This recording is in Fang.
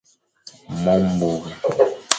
Mo mbore